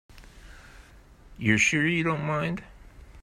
You're sure you don't mind?